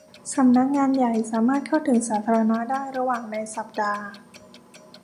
สำนักงานใหญ่มาสามารถเข้าถึงสาธารณะได้ระหว่างในสัปดาห์